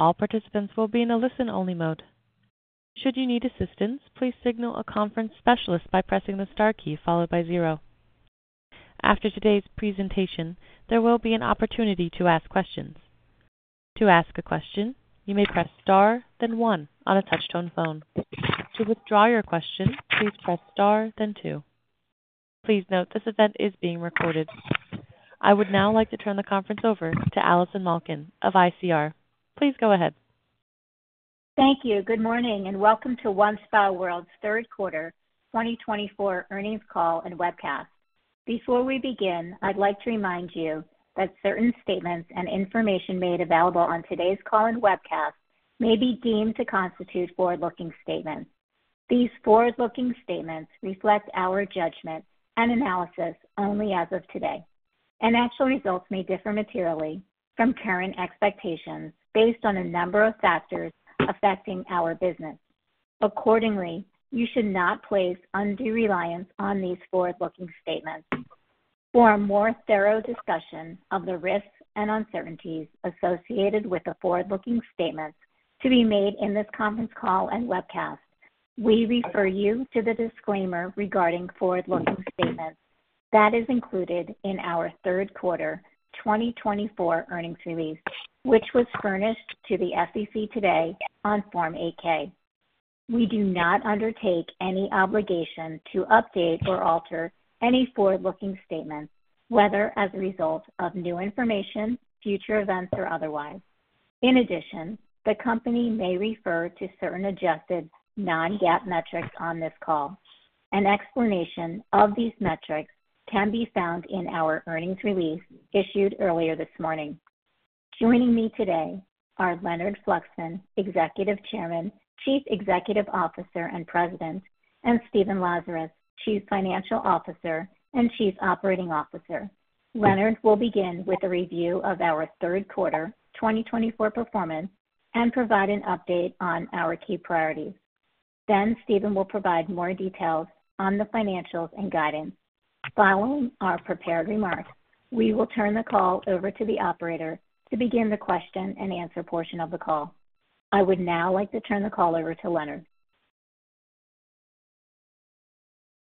All participants will be in a listen-only mode. Should you need assistance, please signal a conference specialist by pressing the star key followed by zero. After today's presentation, there will be an opportunity to ask questions. To ask a question, you may press star, then one on a touch-tone phone. To withdraw your question, please press star, then two. Please note this event is being recorded. I would now like to turn the conference over to Allison Malkin of ICR. Please go ahead. Thank you. Good morning and welcome to OneSpaWorld's third quarter 2024 earnings call and webcast. Before we begin, I'd like to remind you that certain statements and information made available on today's call and webcast may be deemed to constitute forward-looking statements. These forward-looking statements reflect our judgment and analysis only as of today, and actual results may differ materially from current expectations based on a number of factors affecting our business. Accordingly, you should not place undue reliance on these forward-looking statements. For a more thorough discussion of the risks and uncertainties associated with the forward-looking statements to be made in this conference call and webcast, we refer you to the disclaimer regarding forward-looking statements that is included in our third quarter 2024 earnings release, which was furnished to the SEC today on Form 8-K. We do not undertake any obligation to update or alter any forward-looking statements, whether as a result of new information, future events, or otherwise. In addition, the company may refer to certain adjusted non-GAAP metrics on this call. An explanation of these metrics can be found in our earnings release issued earlier this morning. Joining me today are Leonard Fluxman, Executive Chairman, Chief Executive Officer and President, and Stephen Lazarus, Chief Financial Officer and Chief Operating Officer. Leonard will begin with a review of our third quarter 2024 performance and provide an update on our key priorities. Then Stephen will provide more details on the financials and guidance. Following our prepared remarks, we will turn the call over to the operator to begin the question and answer portion of the call. I would now like to turn the call over to Leonard.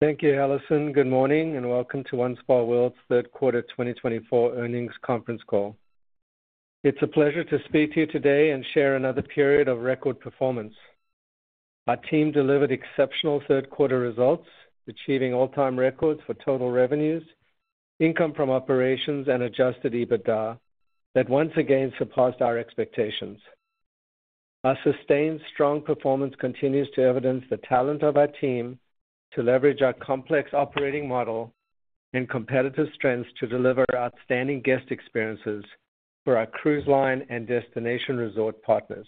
Thank you, Allison. Good morning and welcome to OneSpaWorld's third quarter 2024 earnings conference call. It's a pleasure to speak to you today and share another period of record performance. Our team delivered exceptional third quarter results, achieving all-time records for total revenues, income from operations, and Adjusted EBITDA that once again surpassed our expectations. Our sustained strong performance continues to evidence the talent of our team to leverage our complex operating model and competitive strengths to deliver outstanding guest experiences for our cruise line and destination resort partners.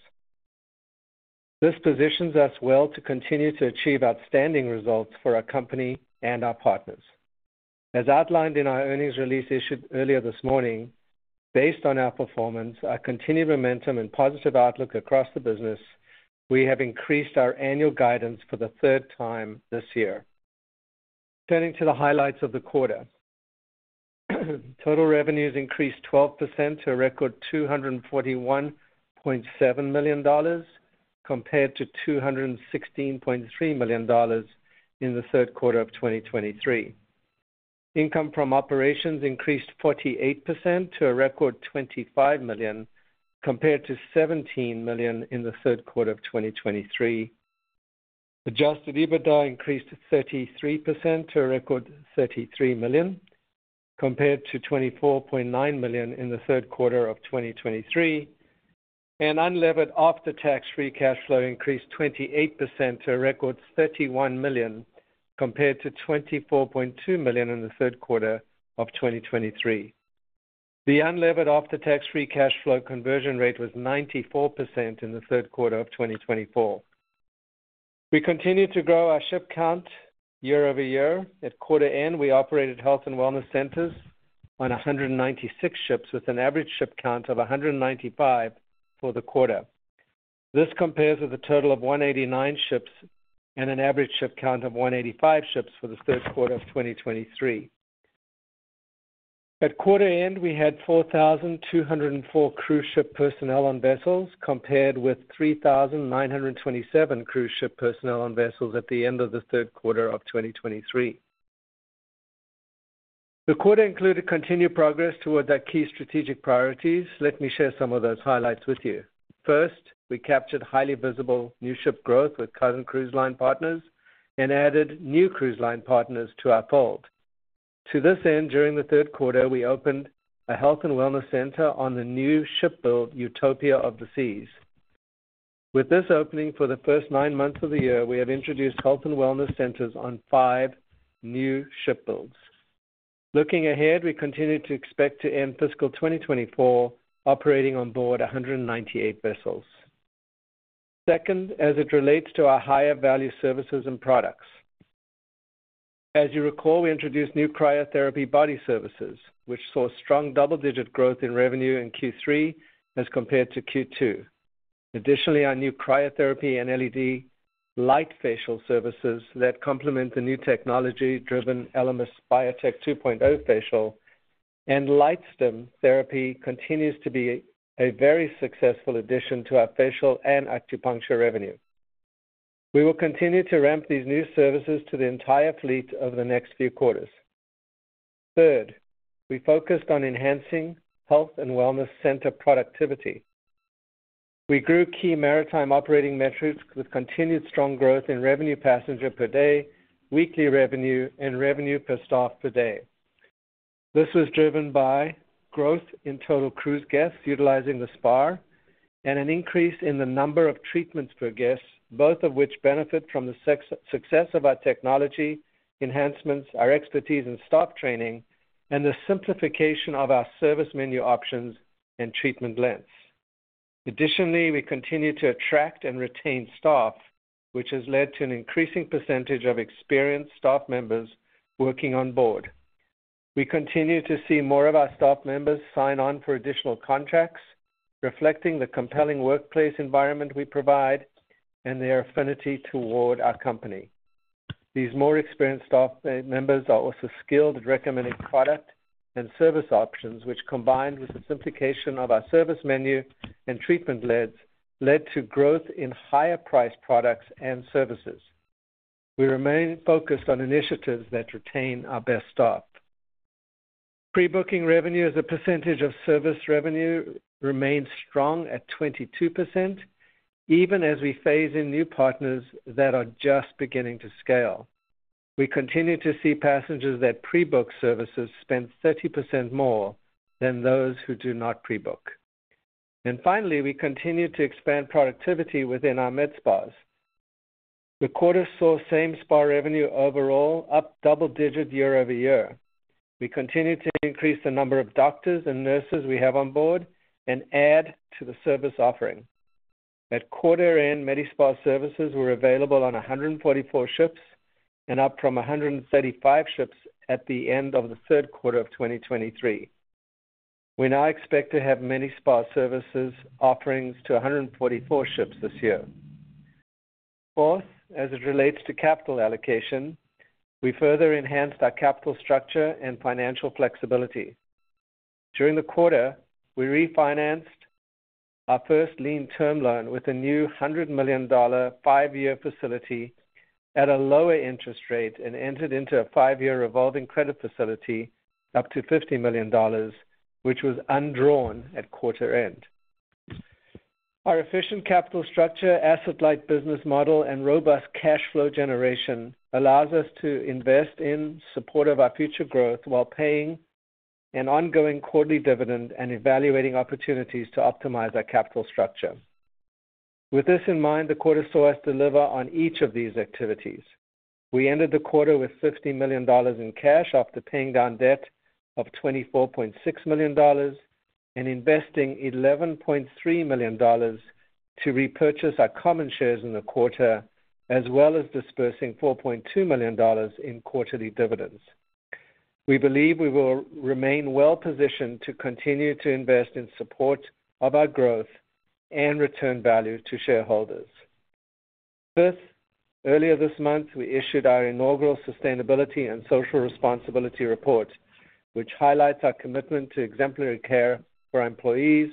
This positions us well to continue to achieve outstanding results for our company and our partners. As outlined in our earnings release issued earlier this morning, based on our performance, our continued momentum and positive outlook across the business, we have increased our annual guidance for the third time this year. Turning to the highlights of the quarter, total revenues increased 12% to a record $241.7 million compared to $216.3 million in the third quarter of 2023. Income from operations increased 48% to a record $25 million compared to $17 million in the third quarter of 2023. Adjusted EBITDA increased 33% to a record $33 million compared to $24.9 million in the third quarter of 2023. And unlevered after-tax free cash flow increased 28% to a record $31 million compared to $24.2 million in the third quarter of 2023. The unlevered after-tax free cash flow conversion rate was 94% in the third quarter of 2024. We continue to grow our ship count year over year. At quarter end, we operated health and wellness centers on 196 ships with an average ship count of 195 for the quarter. This compares with a total of 189 ships and an average ship count of 185 ships for the third quarter of 2023. At quarter end, we had 4,204 cruise ship personnel on vessels compared with 3,927 cruise ship personnel on vessels at the end of the third quarter of 2023. The quarter included continued progress toward our key strategic priorities. Let me share some of those highlights with you. First, we captured highly visible new ship growth with current cruise line partners and added new cruise line partners to our fold. To this end, during the third quarter, we opened a health and wellness center on the new shipbuild Utopia of the Seas. With this opening for the first nine months of the year, we have introduced health and wellness centers on five new shipbuilds. Looking ahead, we continue to expect to end fiscal 2024 operating on board 198 vessels. Second, as it relates to our higher value services and products. As you recall, we introduced new cryotherapy body services, which saw strong double-digit growth in revenue in Q3 as compared to Q2. Additionally, our new cryotherapy and LED light facial services that complement the new technology-driven Elemis BIOTEC 2.0 facial and LightStim Therapy continues to be a very successful addition to our facial and acupuncture revenue. We will continue to ramp these new services to the entire fleet over the next few quarters. Third, we focused on enhancing health and wellness center productivity. We grew key maritime operating metrics with continued strong growth in revenue passenger per day, weekly revenue, and revenue per staff per day. This was driven by growth in total cruise guests utilizing the spa and an increase in the number of treatments per guest, both of which benefit from the success of our technology enhancements, our expertise in staff training, and the simplification of our service menu options and treatment lengths. Additionally, we continue to attract and retain staff, which has led to an increasing percentage of experienced staff members working on board. We continue to see more of our staff members sign on for additional contracts, reflecting the compelling workplace environment we provide and their affinity toward our company. These more experienced staff members are also skilled at recommending product and service options, which, combined with the simplification of our service menu and treatment lengths, led to growth in higher-priced products and services. We remain focused on initiatives that retain our best staff. Pre-booking revenue as a percentage of service revenue remains strong at 22%, even as we phase in new partners that are just beginning to scale. We continue to see passengers that pre-book services spend 30% more than those who do not pre-book. And finally, we continue to expand productivity within our Medi-Spas. The quarter saw same spa revenue overall up double-digit year over year. We continue to increase the number of doctors and nurses we have on board and add to the service offering. At quarter end, MediSpa services were available on 144 ships and up from 135 ships at the end of the third quarter of 2023. We now expect to have MediSpa services offerings to 144 ships this year. Fourth, as it relates to capital allocation, we further enhanced our capital structure and financial flexibility. During the quarter, we refinanced our First Lien Term Loan with a new $100 million five-year facility at a lower interest rate and entered into a five-year Revolving Credit Facility up to $50 million, which was undrawn at quarter end. Our efficient capital structure, asset-light business model, and robust cash flow generation allows us to invest in support of our future growth while paying an ongoing quarterly dividend and evaluating opportunities to optimize our capital structure. With this in mind, the quarter saw us deliver on each of these activities. We ended the quarter with $50 million in cash after paying down debt of $24.6 million and investing $11.3 million to repurchase our common shares in the quarter, as well as dispersing $4.2 million in quarterly dividends. We believe we will remain well-positioned to continue to invest in support of our growth and return value to shareholders. Fifth, earlier this month, we issued our inaugural sustainability and social responsibility report, which highlights our commitment to exemplary care for our employees,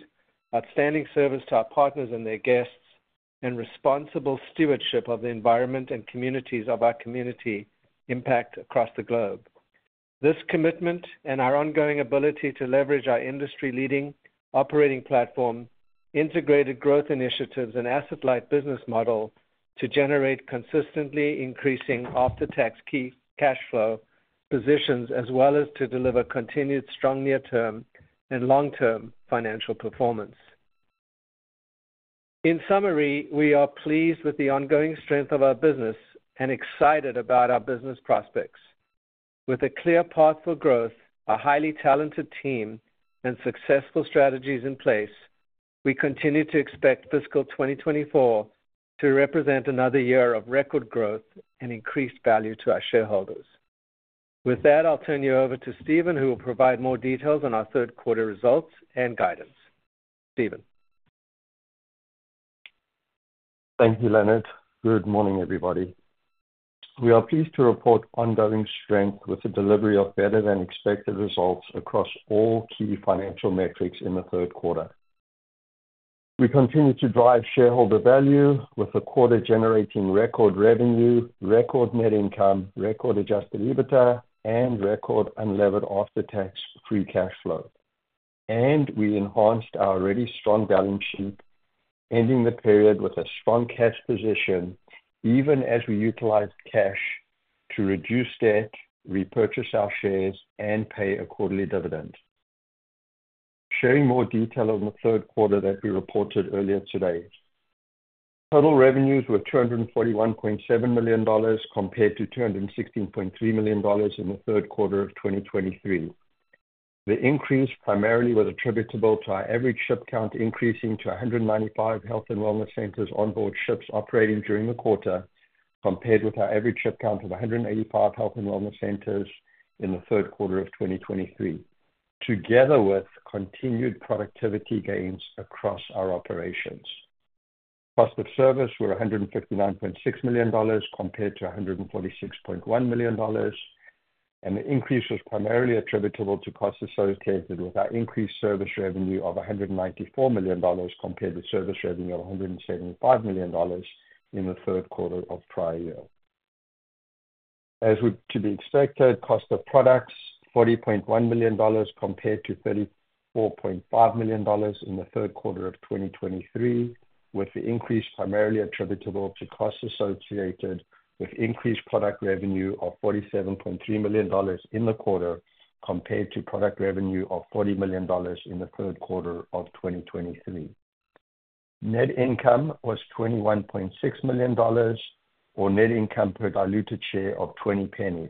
outstanding service to our partners and their guests, and responsible stewardship of the environment and communities of our community impact across the globe. This commitment and our ongoing ability to leverage our industry-leading operating platform, integrated growth initiatives, and asset-light business model to generate consistently increasing after-tax cash flow positions, as well as to deliver continued strong near-term and long-term financial performance. In summary, we are pleased with the ongoing strength of our business and excited about our business prospects. With a clear path for growth, a highly talented team, and successful strategies in place, we continue to expect fiscal 2024 to represent another year of record growth and increased value to our shareholders. With that, I'll turn you over to Stephen, who will provide more details on our third quarter results and guidance. Stephen. Thank you, Leonard. Good morning, everybody. We are pleased to report ongoing strength with the delivery of better-than-expected results across all key financial metrics in the third quarter. We continue to drive shareholder value with the quarter generating record revenue, record net income, record Adjusted EBITDA, and record Unlevered After-Tax Free Cash Flow, and we enhanced our already strong balance sheet, ending the period with a strong cash position, even as we utilized cash to reduce debt, repurchase our shares, and pay a quarterly dividend. Sharing more detail on the third quarter that we reported earlier today. Total revenues were $241.7 million compared to $216.3 million in the third quarter of 2023. The increase primarily was attributable to our average ship count increasing to 195 health and wellness centers onboard ships operating during the quarter, compared with our average ship count of 185 health and wellness centers in the third quarter of 2023, together with continued productivity gains across our operations. Costs of services were $159.6 million compared to $146.1 million, and the increase was primarily attributable to costs associated with our increased service revenue of $194 million compared to service revenue of $175 million in the third quarter of prior year. As to be expected, costs of products were $40.1 million compared to $34.5 million in the third quarter of 2023, with the increase primarily attributable to costs associated with increased product revenue of $47.3 million in the quarter compared to product revenue of $40 million in the third quarter of 2023. Net income was $21.6 million, or net income per diluted share of $0.20,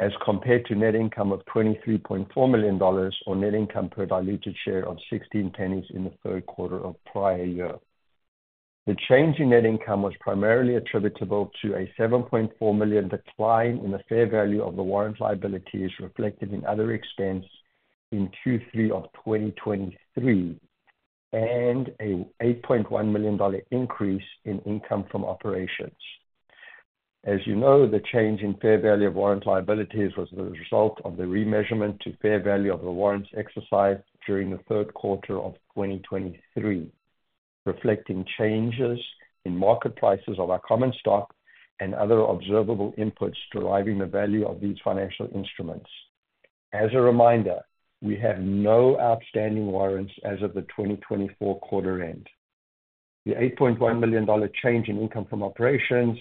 as compared to net income of $23.4 million, or net income per diluted share of $0.16 in the third quarter of prior year. The change in net income was primarily attributable to a $7.4 million decline in the fair value of the warrant liabilities reflected in other expense in Q3 of 2023 and an $8.1 million increase in income from operations. As you know, the change in fair value of warrant liabilities was the result of the remeasurement to fair value of the warrants exercised during the third quarter of 2023, reflecting changes in market prices of our common stock and other observable inputs deriving the value of these financial instruments. As a reminder, we have no outstanding warrants as of the 2024 quarter end. The $8.1 million change in income from operations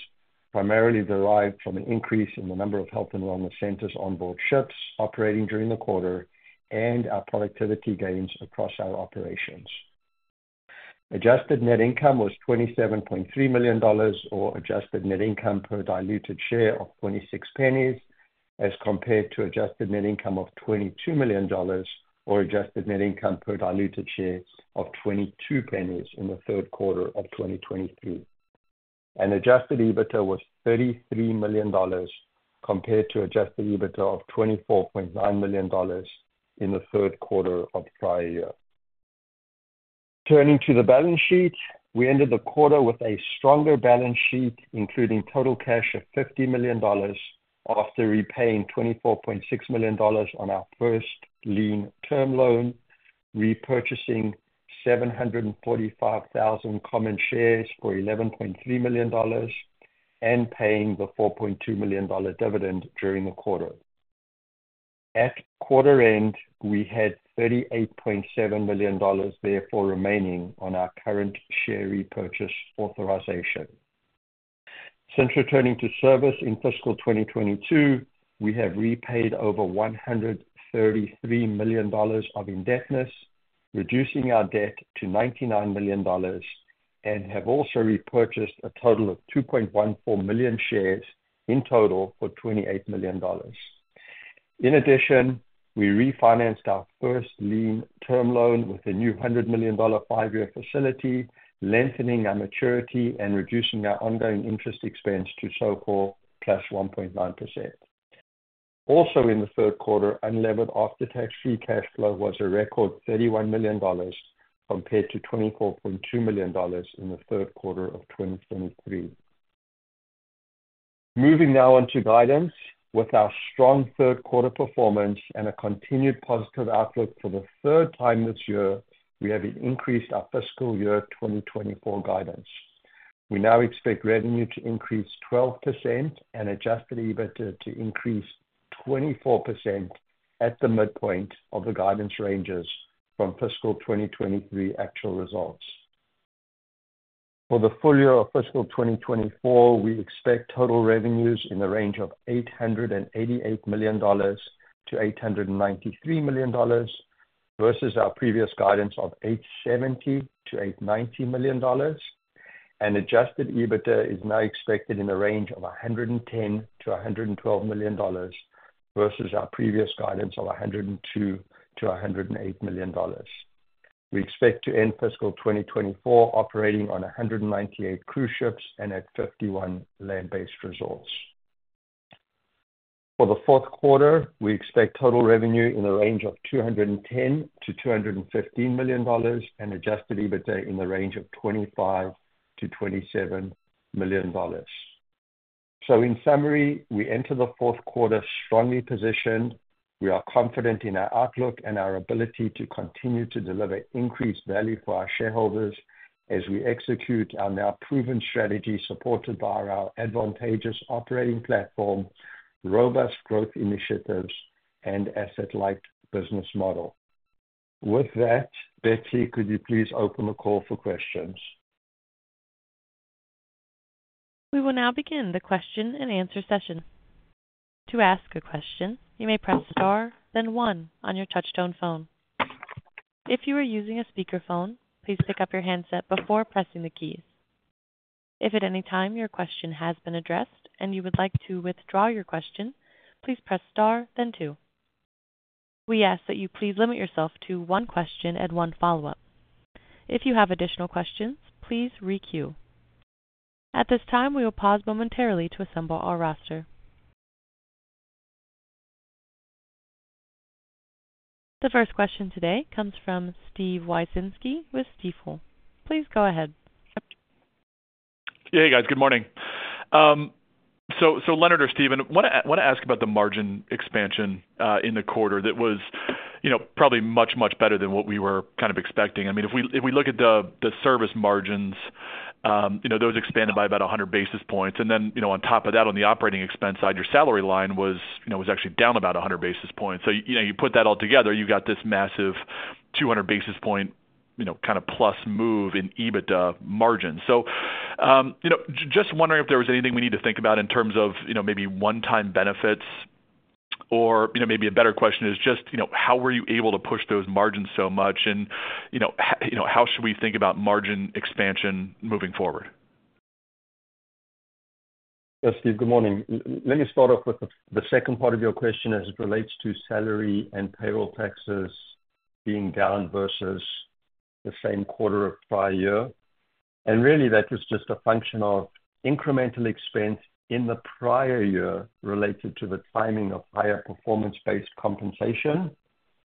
primarily derived from an increase in the number of health and wellness centers onboard ships operating during the quarter and our productivity gains across our operations. Adjusted net income was $27.3 million, or adjusted net income per diluted share of $0.26, as compared to adjusted net income of $22 million, or adjusted net income per diluted share of $0.22 in the third quarter of 2023, and adjusted EBITDA was $33 million compared to adjusted EBITDA of $24.9 million in the third quarter of prior year. Turning to the balance sheet, we ended the quarter with a stronger balance sheet, including total cash of $50 million after repaying $24.6 million on our First Lien Term Loan, repurchasing 745,000 common shares for $11.3 million and paying the $4.2 million dividend during the quarter. At quarter end, we had $38.7 million, therefore, remaining on our current share repurchase authorization. Since returning to service in fiscal 2022, we have repaid over $133 million of indebtedness, reducing our debt to $99 million, and have also repurchased a total of 2.14 million shares in total for $28 million. In addition, we refinanced our First Lien Term Loan with a new $100 million five-year facility, lengthening our maturity and reducing our ongoing interest expense to SOFR plus 1.9%. Also, in the third quarter, Unlevered After-Tax Free Cash Flow was a record $31 million compared to $24.2 million in the third quarter of 2023. Moving now on to guidance. With our strong third quarter performance and a continued positive outlook for the third time this year, we have increased our fiscal year 2024 guidance. We now expect revenue to increase 12% and Adjusted EBITDA to increase 24% at the midpoint of the guidance ranges from fiscal 2023 actual results. For the full year of fiscal 2024, we expect total revenues in the range of $888-$893 million versus our previous guidance of $870-$890 million, and Adjusted EBITDA is now expected in the range of $110-$112 million versus our previous guidance of $102-$108 million. We expect to end fiscal 2024 operating on 198 cruise ships and at 51 land-based resorts. For the fourth quarter, we expect total revenue in the range of $210-$215 million and Adjusted EBITDA in the range of $25-$27 million. So, in summary, we enter the fourth quarter strongly positioned. We are confident in our outlook and our ability to continue to deliver increased value for our shareholders as we execute our now proven strategy supported by our advantageous operating platform, robust growth initiatives, and asset-light business model. With that, Betty, could you please open the call for questions? We will now begin the question and answer session. To ask a question, you may press star, then one on your touch-tone phone. If you are using a speakerphone, please pick up your handset before pressing the keys. If at any time your question has been addressed and you would like to withdraw your question, please press star, then two. We ask that you please limit yourself to one question and one follow-up. If you have additional questions, please re-queue. At this time, we will pause momentarily to assemble our roster. The first question today comes from Steven Wieczynski with Stifel. Please go ahead. Hey, guys. Good morning. So, Leonard or Stephen, I want to ask about the margin expansion in the quarter that was probably much, much better than what we were kind of expecting. I mean, if we look at the service margins, those expanded by about 100 basis points. And then on top of that, on the operating expense side, your salary line was actually down about 100 basis points. So you put that all together, you got this massive 200 basis point kind of plus move in EBITDA margin. So just wondering if there was anything we need to think about in terms of maybe one-time benefits. Or maybe a better question is just how were you able to push those margins so much, and how should we think about margin expansion moving forward? Yes, Steve, good morning. Let me start off with the second part of your question as it relates to salary and payroll taxes being down versus the same quarter of prior year. And really, that was just a function of incremental expense in the prior year related to the timing of higher performance-based compensation.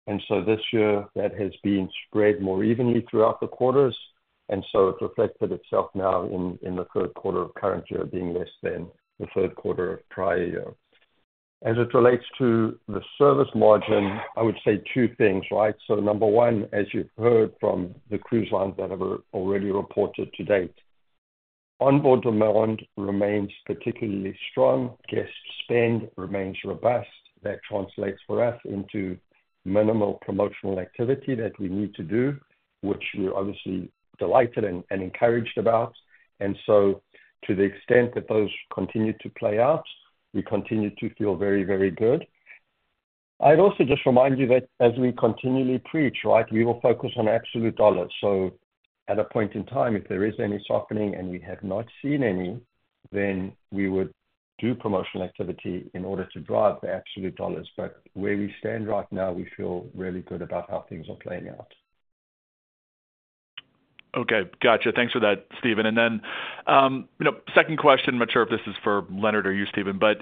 And so this year, that has been spread more evenly throughout the quarters. And so it's reflected itself now in the third quarter of current year being less than the third quarter of prior year. As it relates to the service margin, I would say two things, right? So number one, as you've heard from the cruise lines that have already reported to date, onboard demand remains particularly strong. Guest spend remains robust. That translates for us into minimal promotional activity that we need to do, which we're obviously delighted and encouraged about. And so to the extent that those continue to play out, we continue to feel very, very good. I'd also just remind you that as we continually preach, right, we will focus on absolute dollars. So at a point in time, if there is any softening and we have not seen any, then we would do promotional activity in order to drive the absolute dollars. But where we stand right now, we feel really good about how things are playing out. Okay. Gotcha. Thanks for that, Stephen. And then second question, I'm not sure if this is for Leonard or you, Stephen, but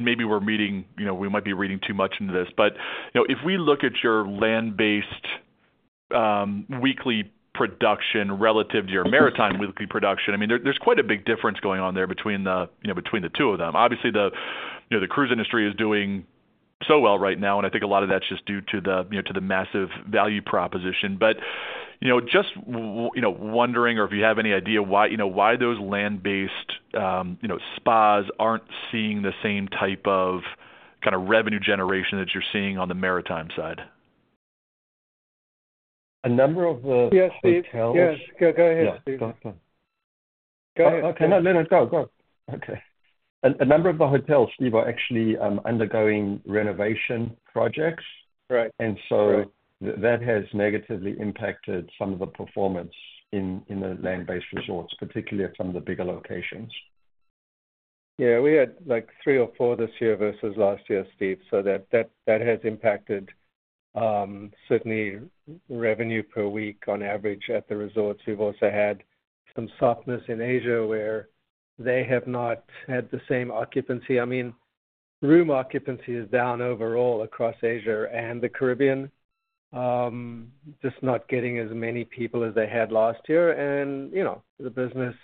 maybe we might be reading too much into this. But if we look at your land-based weekly production relative to your maritime weekly production, I mean, there's quite a big difference going on there between the two of them. Obviously, the cruise industry is doing so well right now, and I think a lot of that's just due to the massive value proposition. But just wondering if you have any idea why those land-based spas aren't seeing the same type of kind of revenue generation that you're seeing on the maritime side. A number of the hotels. Yes, Steve. Yes. Go ahead, Steve. Go ahead. Okay. No, Leonard, go. Go. Okay. A number of the hotels, Steven, are actually undergoing renovation projects. And so that has negatively impacted some of the performance in the land-based resorts, particularly at some of the bigger locations. Yeah. We had like three or four this year versus last year, Steve. So that has impacted certainly revenue per week on average at the resorts. We've also had some softness in Asia where they have not had the same occupancy. I mean, room occupancy is down overall across Asia and the Caribbean, just not getting as many people as they had last year. And the business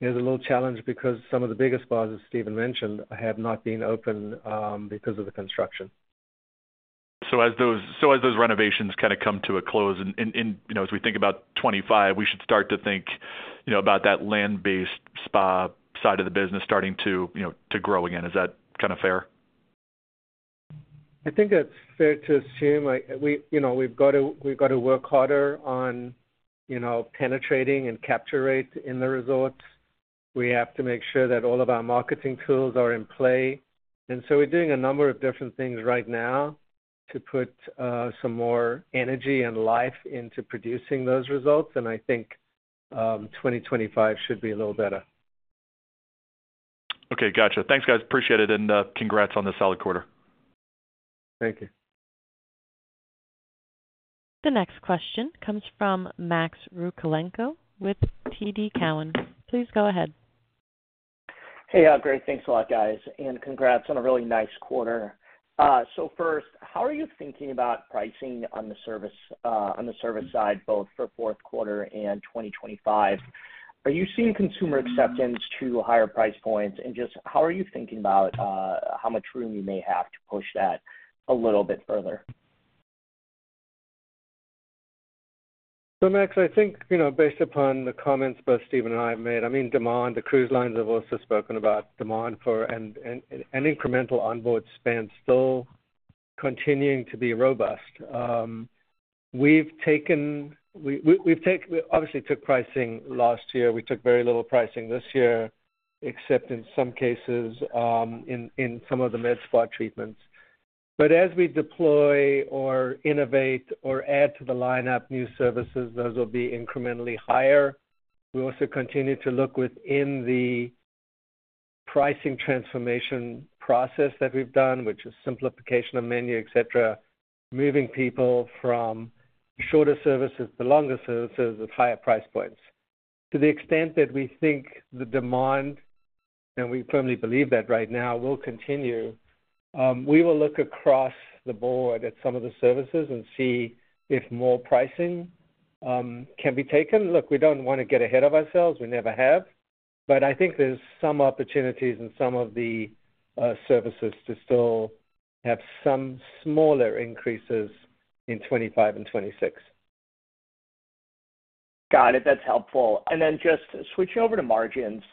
has a little challenge because some of the biggest spas, as Stephen mentioned, have not been open because of the construction. So as those renovations kind of come to a close and as we think about 2025, we should start to think about that land-based spa side of the business starting to grow again. Is that kind of fair? I think that's fair to assume. We've got to work harder on penetrating and capture rate in the resorts. We have to make sure that all of our marketing tools are in play, and so we're doing a number of different things right now to put some more energy and life into producing those results, and I think 2025 should be a little better. Okay. Gotcha. Thanks, guys. Appreciate it. And congrats on the solid quarter. Thank you. The next question comes from Max Rakhlenko with TD Cowen. Please go ahead. Hey, Al. Thanks a lot, guys. And congrats on a really nice quarter. So first, how are you thinking about pricing on the service side, both for fourth quarter and 2025? Are you seeing consumer acceptance to higher price points? And just how are you thinking about how much room you may have to push that a little bit further? So, Max, I think based upon the comments both Stephen and I have made, I mean, demand. The cruise lines have also spoken about demand for an incremental onboard spend still continuing to be robust. We've obviously took pricing last year. We took very little pricing this year, except in some cases in some of the Medi-Spa treatments. But as we deploy or innovate or add to the lineup new services, those will be incrementally higher. We also continue to look within the pricing transformation process that we've done, which is simplification of menu, etc., moving people from shorter services to longer services at higher price points. To the extent that we think the demand, and we firmly believe that right now, will continue, we will look across the board at some of the services and see if more pricing can be taken. Look, we don't want to get ahead of ourselves. We never have. But I think there's some opportunities in some of the services to still have some smaller increases in 2025 and 2026. Got it. That's helpful. And then just switching over to margins.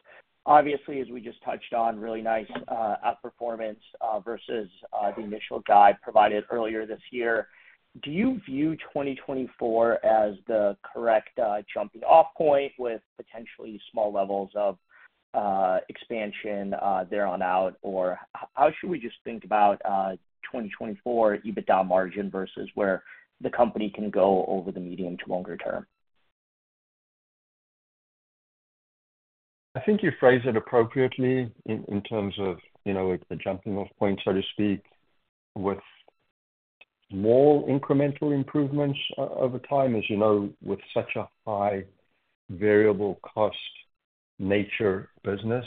Obviously, as we just touched on, really nice outperformance versus the initial guide provided earlier this year. Do you view 2024 as the correct jumping-off point with potentially small levels of expansion there on out? Or how should we just think about 2024 EBITDA margin versus where the company can go over the medium to longer term? I think you phrased it appropriately in terms of the jumping-off point, so to speak, with more incremental improvements over time. As you know, with such a high variable cost nature business,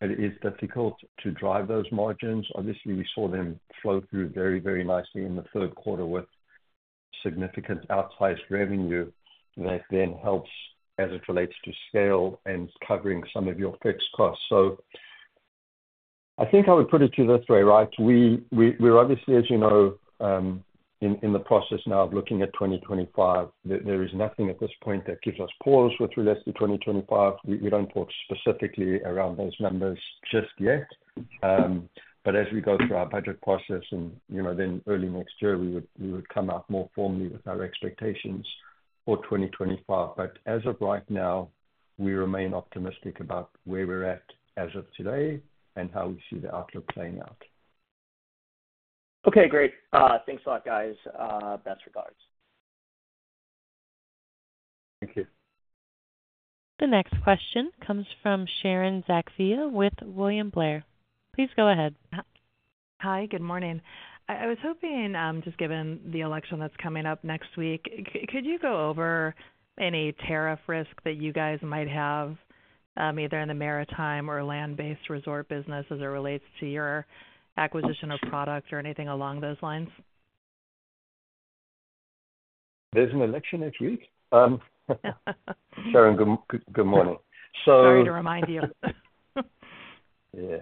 it is difficult to drive those margins. Obviously, we saw them flow through very, very nicely in the third quarter with significant outsized revenue that then helps as it relates to scale and covering some of your fixed costs, so I think I would put it to you this way, right? We're obviously, as you know, in the process now of looking at 2025. There is nothing at this point that gives us pause with regards to 2025. We don't talk specifically around those numbers just yet, but as we go through our budget process, and then early next year, we would come out more formally with our expectations for 2025. But as of right now, we remain optimistic about where we're at as of today and how we see the outlook playing out. Okay. Great. Thanks a lot, guys. Best regards. Thank you. The next question comes from Sharon Zackfia with William Blair. Please go ahead. Hi. Good morning. I was hoping, just given the election that's coming up next week, could you go over any tariff risk that you guys might have either in the maritime or land-based resort business as it relates to your acquisition of product or anything along those lines? There's an election next week. Sharon, good morning. So. Sorry to remind you. Yeah.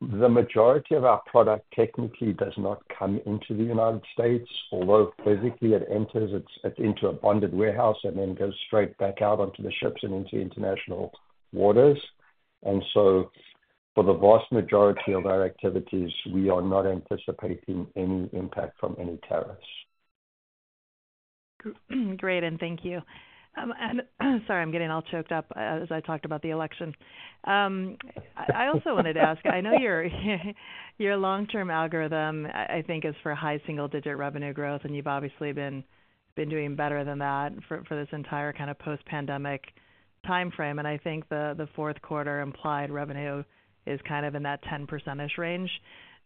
The majority of our product technically does not come into the United States, although physically it enters. It's into a bonded warehouse and then goes straight back out onto the ships and into international waters. And so for the vast majority of our activities, we are not anticipating any impact from any tariffs. Great. And thank you. And sorry, I'm getting all choked up as I talked about the election. I also wanted to ask, I know your long-term algorithm, I think, is for high single-digit revenue growth, and you've obviously been doing better than that for this entire kind of post-pandemic timeframe. And I think the fourth quarter implied revenue is kind of in that 10% range.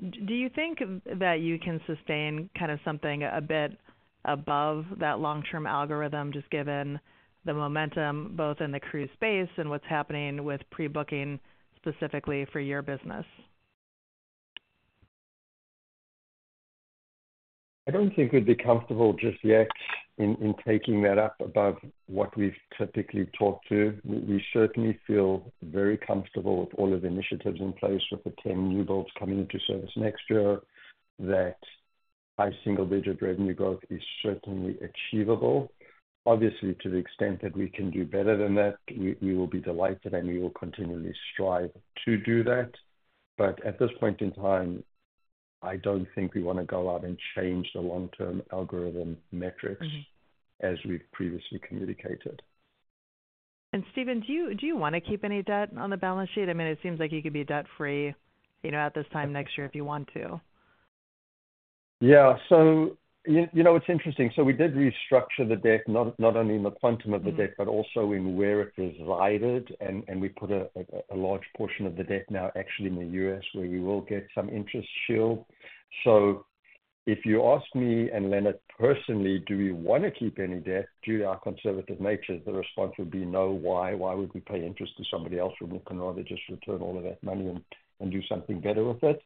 Do you think that you can sustain kind of something a bit above that long-term algorithm, just given the momentum both in the cruise space and what's happening with pre-booking specifically for your business? I don't think we'd be comfortable just yet in taking that up above what we've typically talked to. We certainly feel very comfortable with all of the initiatives in place with the 10 new boats coming into service next year, that high single-digit revenue growth is certainly achievable. Obviously, to the extent that we can do better than that, we will be delighted, and we will continually strive to do that. But at this point in time, I don't think we want to go out and change the long-term algorithm metrics as we've previously communicated. Stephen, do you want to keep any debt on the balance sheet? I mean, it seems like you could be debt-free at this time next year if you want to. Yeah. So it's interesting. So we did restructure the debt, not only in the quantum of the debt, but also in where it resided. And we put a large portion of the debt now actually in the U.S., where we will get some interest shield. So if you ask me and Leonard personally, do we want to keep any debt? Due to our conservative nature, the response would be, "No. Why? Why would we pay interest to somebody else when we can rather just return all of that money and do something better with it?"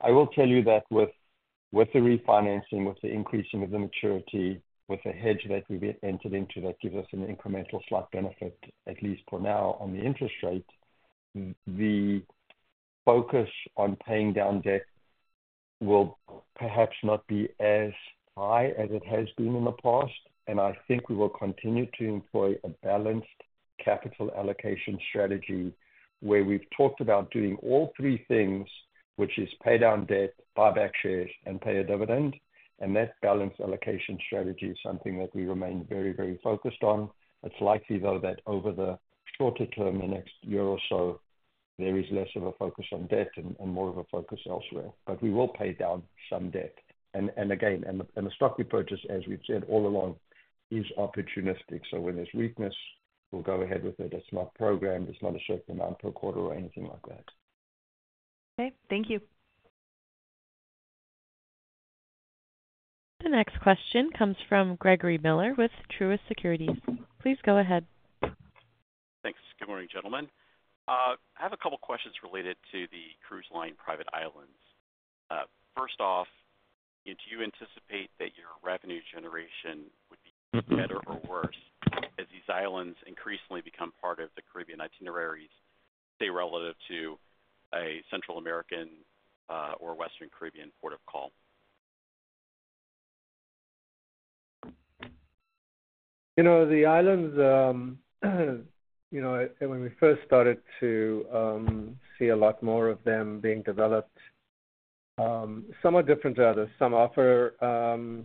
I will tell you that with the refinancing, with the increasing of the maturity, with the hedge that we've entered into that gives us an incremental slight benefit, at least for now, on the interest rate, the focus on paying down debt will perhaps not be as high as it has been in the past. And I think we will continue to employ a balanced capital allocation strategy where we've talked about doing all three things, which is pay down debt, buy back shares, and pay a dividend. And that balanced allocation strategy is something that we remain very, very focused on. It's likely, though, that over the shorter term, the next year or so, there is less of a focus on debt and more of a focus elsewhere. But we will pay down some debt. And again, the stock we purchased, as we've said all along, is opportunistic. So when there's weakness, we'll go ahead with it. It's not programmed. It's not a certain amount per quarter or anything like that. Okay. Thank you. The next question comes from Gregory Miller with Truist Securities. Please go ahead. Thanks. Good morning, gentlemen. I have a couple of questions related to the cruise line private islands. First off, do you anticipate that your revenue generation would be better or worse as these islands increasingly become part of the Caribbean itineraries, say, relative to a Central American or Western Caribbean port of call? The islands, when we first started to see a lot more of them being developed, some are different to others. Some offer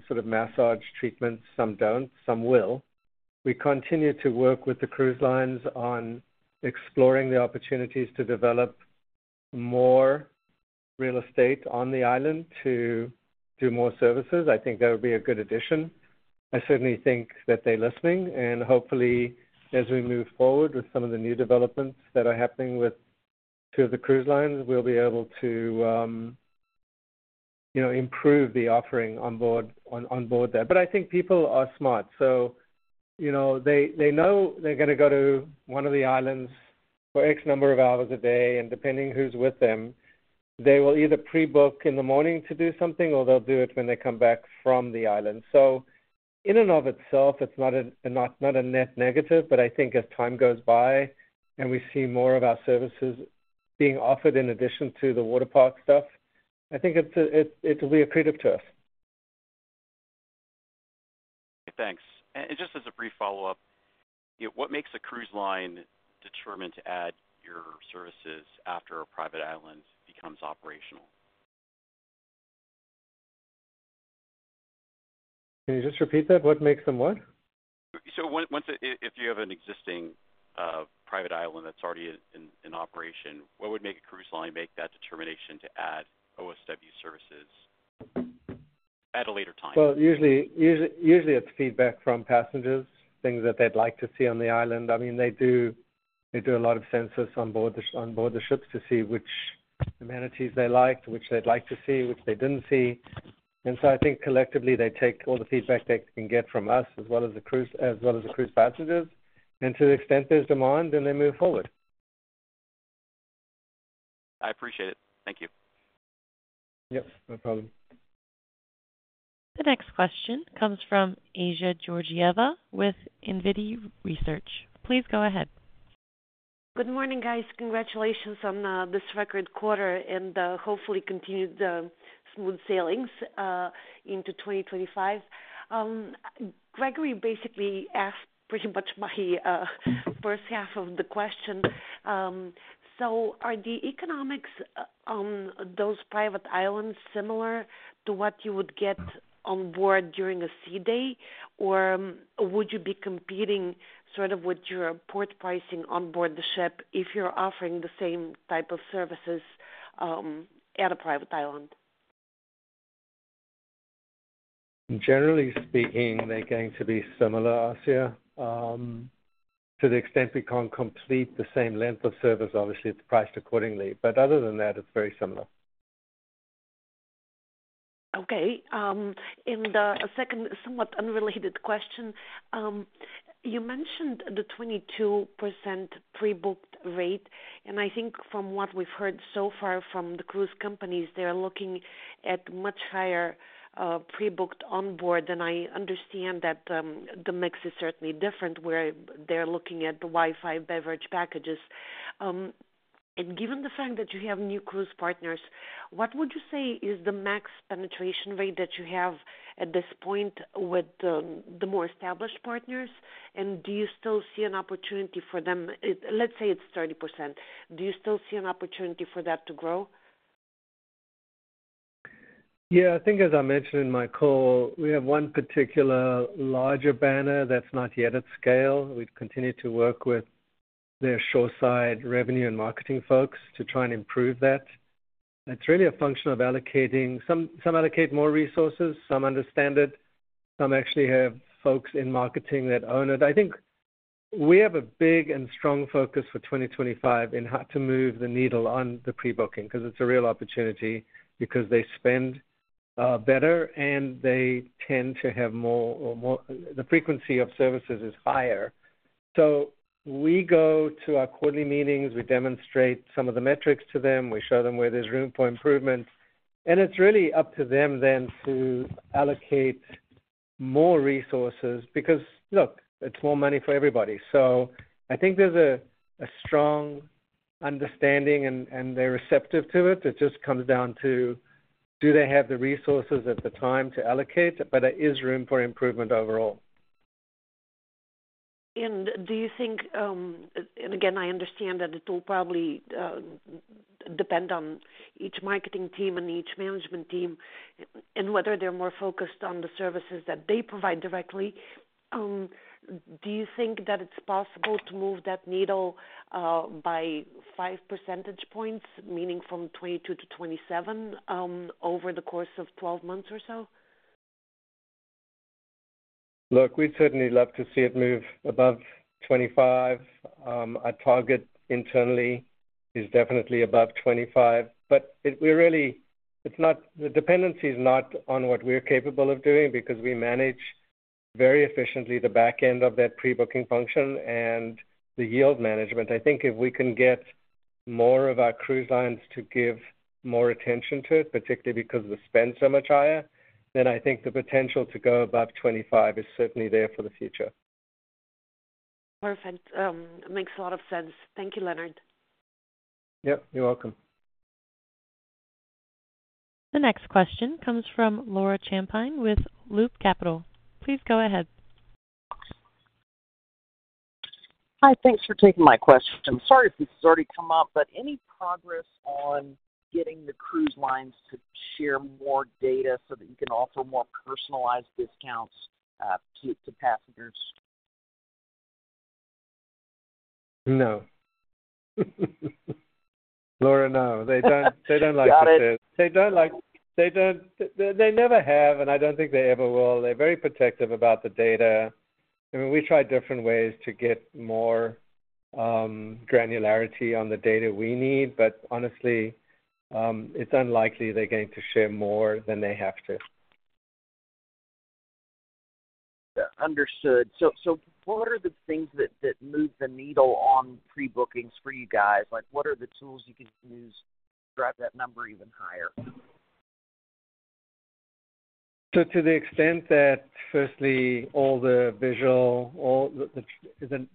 sort of massage treatments. Some don't. Some will. We continue to work with the cruise lines on exploring the opportunities to develop more real estate on the island to do more services. I think that would be a good addition. I certainly think that they're listening, and hopefully, as we move forward with some of the new developments that are happening with the cruise lines, we'll be able to improve the offering on board there, but I think people are smart, so they know they're going to go to one of the islands for X number of hours a day, and depending who's with them, they will either pre-book in the morning to do something, or they'll do it when they come back from the island. So in and of itself, it's not a net negative. But I think as time goes by and we see more of our services being offered in addition to the water park stuff, I think it'll be a creative turf. Okay. Thanks. And just as a brief follow-up, what makes a cruise line determined to add your services after a private island becomes operational? Can you just repeat that? What makes them what? So if you have an existing private island that's already in operation, what would make a cruise line make that determination to add OSW services at a later time? Usually, it's feedback from passengers, things that they'd like to see on the island. I mean, they do a lot of sensing on board the ships to see which amenities they liked, which they'd like to see, which they didn't see. And so I think collectively, they take all the feedback they can get from us as well as the cruise passengers. And to the extent there's demand, then they move forward. I appreciate it. Thank you. Yep. No problem. The next question comes from Assia Georgieva with Infinity Research. Please go ahead. Good morning, guys. Congratulations on this record quarter and hopefully continued smooth sailings into 2025. Gregory basically asked pretty much my first half of the question. So are the economics on those private islands similar to what you would get on board during a sea day? Or would you be competing sort of with your port pricing on board the ship if you're offering the same type of services at a private island? Generally speaking, they're going to be similar, Assia. To the extent we can't complete the same length of service, obviously, it's priced accordingly. But other than that, it's very similar. Okay. And a second somewhat unrelated question. You mentioned the 22% pre-booked rate. And I think from what we've heard so far from the cruise companies, they're looking at much higher pre-booked on board. And I understand that the mix is certainly different where they're looking at the Wi-Fi beverage packages. And given the fact that you have new cruise partners, what would you say is the max penetration rate that you have at this point with the more established partners? And do you still see an opportunity for them? Let's say it's 30%. Do you still see an opportunity for that to grow? Yeah. I think, as I mentioned in my call, we have one particular larger banner that's not yet at scale. We continue to work with their shoreside revenue and marketing folks to try and improve that. It's really a function of allocating. Some allocate more resources. Some understand it. Some actually have folks in marketing that own it. I think we have a big and strong focus for 2025 in how to move the needle on the pre-booking because it's a real opportunity because they spend better and they tend to have more or the frequency of services is higher. So we go to our quarterly meetings. We demonstrate some of the metrics to them. We show them where there's room for improvement. And it's really up to them then to allocate more resources because, look, it's more money for everybody. So I think there's a strong understanding, and they're receptive to it. It just comes down to do they have the resources at the time to allocate? But there is room for improvement overall. Do you think and again, I understand that it will probably depend on each marketing team and each management team and whether they're more focused on the services that they provide directly. Do you think that it's possible to move that needle by five percentage points, meaning from 22% to 27% over the course of 12 months or so? Look, we'd certainly love to see it move above 25. Our target internally is definitely above 25. But it's not. The dependency is not on what we're capable of doing because we manage very efficiently the back end of that pre-booking function and the yield management. I think if we can get more of our cruise lines to give more attention to it, particularly because the spend is so much higher, then I think the potential to go above 25 is certainly there for the future. Perfect. Makes a lot of sense. Thank you, Leonard. Yep. You're welcome. The next question comes from Laura Champine with Loop Capital. Please go ahead. Hi. Thanks for taking my question. Sorry if this has already come up, but any progress on getting the cruise lines to share more data so that you can offer more personalized discounts to passengers? No. Laura, no. They don't like it. They don't like it. They never have, and I don't think they ever will. They're very protective about the data. I mean, we try different ways to get more granularity on the data we need. But honestly, it's unlikely they're going to share more than they have to. Understood. So what are the things that move the needle on pre-bookings for you guys? What are the tools you can use to drive that number even higher? So to the extent that, firstly, all the visual,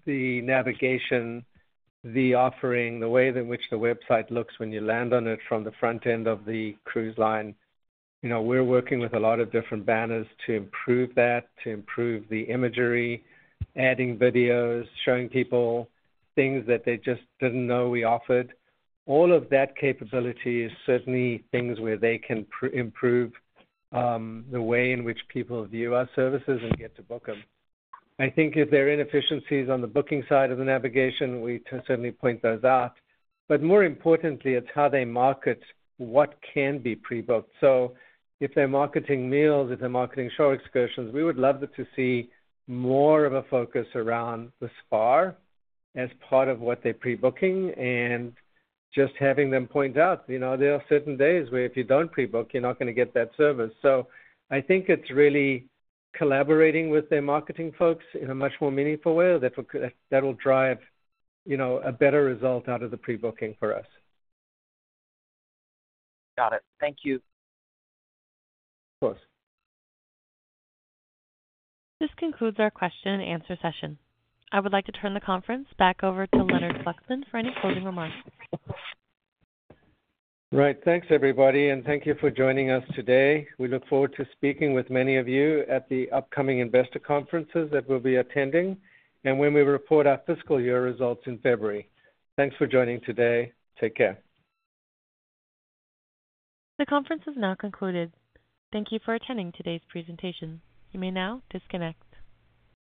the navigation, the offering, the way in which the website looks when you land on it from the front end of the cruise line, we're working with a lot of different banners to improve that, to improve the imagery, adding videos, showing people things that they just didn't know we offered. All of that capability is certainly things where they can improve the way in which people view our services and get to book them. I think if there are inefficiencies on the booking side of the navigation, we certainly point those out. But more importantly, it's how they market what can be pre-booked. So if they're marketing meals, if they're marketing shore excursions, we would love to see more of a focus around the spa as part of what they're pre-booking and just having them point out. There are certain days where if you don't pre-book, you're not going to get that service, so I think it's really collaborating with their marketing folks in a much more meaningful way that will drive a better result out of the pre-booking for us. Got it. Thank you. Of course. This concludes our question and answer session. I would like to turn the conference back over to Leonard Fluxman for any closing remarks. Right. Thanks, everybody. And thank you for joining us today. We look forward to speaking with many of you at the upcoming investor conferences that we'll be attending and when we report our fiscal year results in February. Thanks for joining today. Take care. The conference is now concluded. Thank you for attending today's presentation. You may now disconnect.